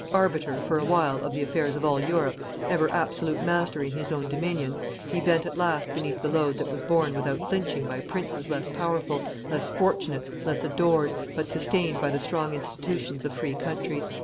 Arbiter, for a while, of the affairs of all Europe, ever absolute master in his own dominions, he bent at last beneath the load that was borne without flinching by princes less powerful, less fortunate, less adored, but sustained by the strong institutions of free countries.